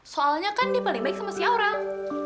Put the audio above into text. soalnya kan dia paling baik sama si orang